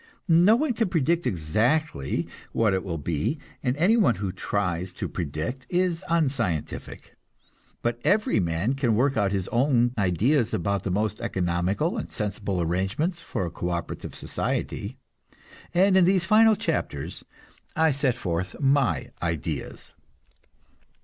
No one can predict exactly what it will be, and anyone who tries to predict is unscientific. But every man can work out his own ideas of the most economical and sensible arrangements for a co operative society, and in these final chapters I set forth my ideas.